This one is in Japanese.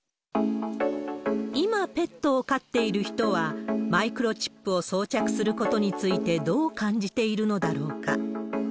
今ペットを飼っている人は、マイクロチップを装着することについてどう感じているのだろうか。